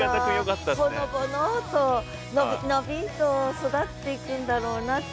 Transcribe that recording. ほのぼのと伸び伸びと育っていくんだろうなって。